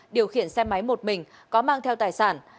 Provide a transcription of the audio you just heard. điều khiển xe máy một mình có mang theo tài sản